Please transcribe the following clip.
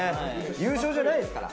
優勝じゃないですから。